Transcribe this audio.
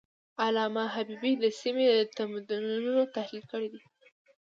علامه حبيبي د سیمې د تمدنونو تحلیل کړی دی.